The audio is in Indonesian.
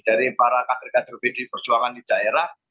dari para kader kader pdi perjuangan di daerah